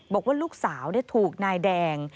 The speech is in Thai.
บอกว่าลูกสาวถูกนายแดง